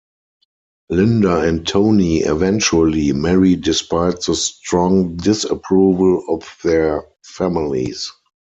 Linda and Tony eventually marry despite the strong disapproval of their families.